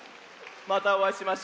またおあいしましょ。